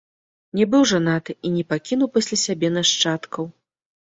Не быў жанаты і не пакінуў пасля сябе нашчадкаў.